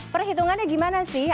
perhitungannya gimana sih